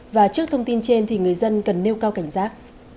và trước thông tin trên thì người dân cần nêu cao cảnh giác